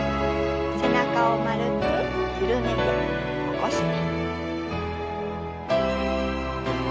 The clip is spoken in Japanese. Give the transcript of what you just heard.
背中を丸く緩めて起こして。